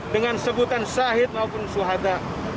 dengan sebutan syahid maupun suhada